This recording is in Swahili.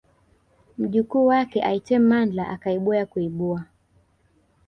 Mjukuu wake aitwaye Mandla akaibua ya kuibua